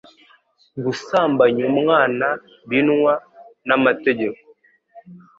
gusambanya umwana birnwa namategeko